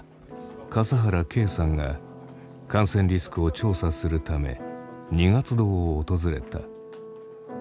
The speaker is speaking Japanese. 笠原敬さんが感染リスクを調査するため二月堂を訪れた。